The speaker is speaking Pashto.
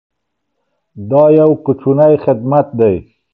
دا یو کوچنی خدمت دی.